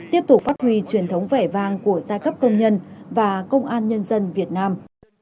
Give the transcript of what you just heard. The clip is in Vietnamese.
tiếp tục phát huy truyền thống vẻ vang của giai cấp công nhân và công an nhân dân việt nam